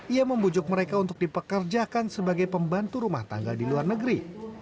ia membujuk mereka untuk dipekerjakan sebagai pembantu rumah tangga di luar negeri